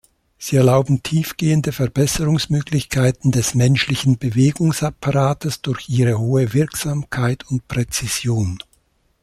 Sie erlauben tiefgehende Verbesserungsmöglichkeiten des menschlichen Bewegungsapparates durch ihre hohe Wirksamkeit und Präzision.